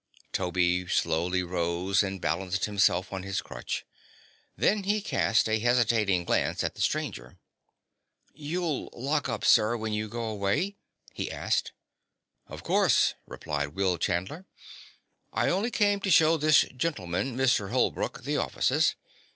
Toby slowly rose and balanced himself on his crutch. Then he cast a hesitating glance at the stranger. "You'll lock up, sir, when you go away?" he asked. "Of course," replied Will Chandler. "I only came to show this gentleman, Mr. Holbrook, the offices.